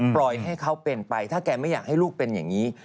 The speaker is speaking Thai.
ปล่อยให้เขาเป็นไปถ้าแกไม่อยากให้ลูกเป็นอย่างนี้